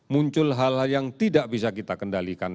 muncul hal hal yang tidak bisa kita kendalikan